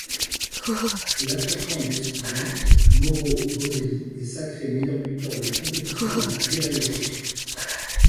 L'attaquant d'Estudiantes Mauro Boselli est sacré meilleur buteur de la compétition avec huit réalisations.